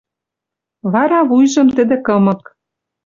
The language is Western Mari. Вара вуйжым тӹдӹ кымык